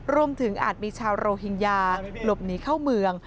อาจมีชาวโรฮิงญาหลบหนีเข้าเมือง